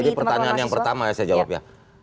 jadi pertanyaan yang pertama saya jawab ya